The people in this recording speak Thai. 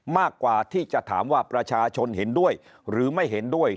มากกว่าที่จะถามว่าประชาชนเห็นด้วยหรือไม่เห็นด้วย